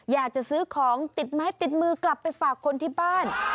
อยากจะซื้อของติดไม้ติดมือกลับไปฝากคนที่บ้าน